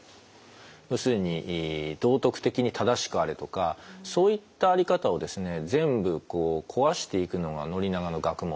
要するに道徳的に正しくあれとかそういった在り方を全部壊していくのが宣長の学問なんですね。